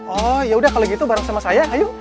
oh yaudah kalau gitu bareng sama saya ayo